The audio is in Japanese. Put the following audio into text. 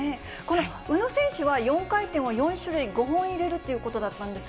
宇野選手は４回転を４種類５本入れるということだったんです